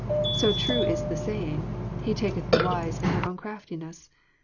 So true is the saying, <* He taketh the wise in their own craftiness.'